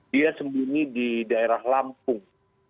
dia sembunyi di daerah lampung